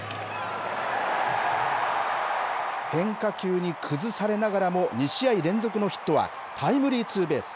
変化球に崩されながらも、２試合連続のヒットは、タイムリーツーベース。